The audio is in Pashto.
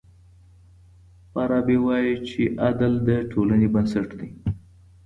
فارابي وايي چي عدل د ټولني بنسټ دی.